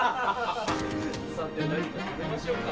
さて何か食べましょうか。